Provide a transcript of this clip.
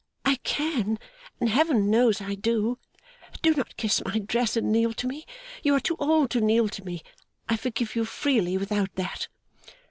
'I can, and Heaven knows I do! Do not kiss my dress and kneel to me; you are too old to kneel to me; I forgive you freely without that.